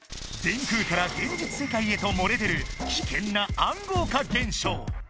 電空から現実世界へともれ出る危険な暗号化現象。